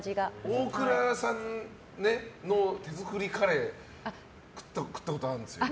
大倉さんの手作りカレー食ったことあるんですけど。